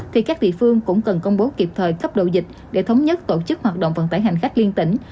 thì các địa phương cũng cần công bố kịp thời cấp độ dịch để thống nhất tổ chức hoạt động vận tải hành khách liên tỉnh